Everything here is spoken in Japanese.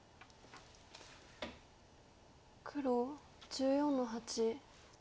黒１４の八。